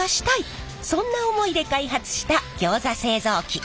そんな思いで開発したギョーザ製造機。